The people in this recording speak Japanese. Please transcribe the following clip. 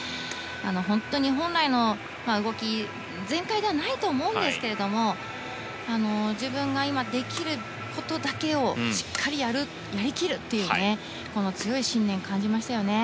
本当に本来の動き、全開ではないと思うんですけれども自分が今できることだけをしっかりやりきるというこの強い信念を感じましたよね。